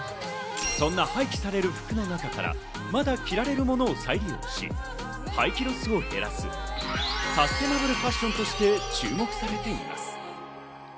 そんな廃棄される服の中からまだ着られるものを再利用し、廃棄ロスを減らすサステナブルファッションとして注目されています。